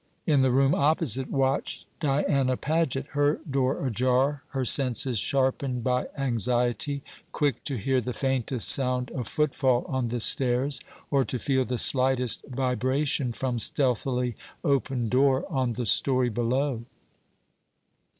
In the room opposite watched Diana Paget, her door ajar, her senses sharpened by anxiety, quick to hear the faintest sound of footfall on the stairs, or to feel the slightest vibration from stealthily opened door on the story below.